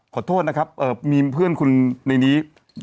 ขอโทษนะครับมีเพื่อนคุณในนี้